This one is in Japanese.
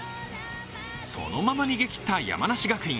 そのまま逃げきった山梨学院。